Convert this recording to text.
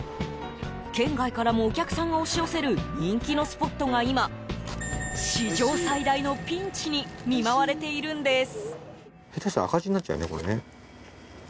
県外からもお客さんが押し寄せる人気のスポットが今、史上最大のピンチに見舞われているんです。